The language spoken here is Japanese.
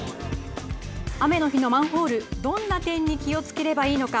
雨の日のマンホールどんな点に気をつければいいのか。